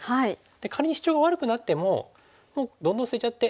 仮にシチョウが悪くなってももうどんどん捨てちゃって。